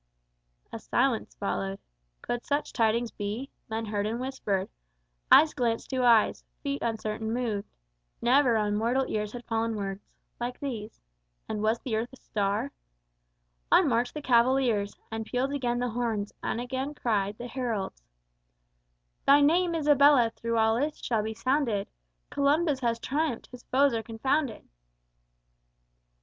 _" A silence followed. Could such tidings be? Men heard and whispered, Eyes glanced to eyes, feet uncertain moved, Never on mortal ears had fallen words Like these. And was the earth a star? On marched the cavaliers, And pealed again the horns, and again cried The heralds: "_Thy name, Isabella, through all earth shall be sounded, Columbus has triumphed, his foes are confounded!